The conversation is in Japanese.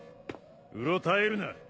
うろたえるな。